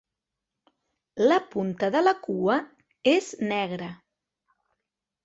La punta de la cua és negra.